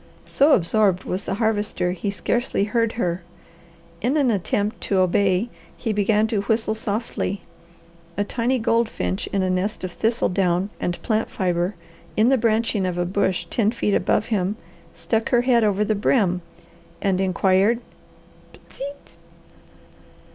So absorbed was the Harvester he scarcely heard her. In an attempt to obey he began to whistle softly. A tiny goldfinch in a nest of thistle down and plant fibre in the branching of a bush ten feet above him stuck her head over the brim and inquired, "P'tseet?"